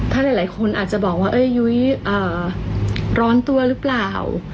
เท่าใดหลายคนอาจจะบอกว่าเอ้ยยุ้ยอ่าร้อนตัวรึเปล่า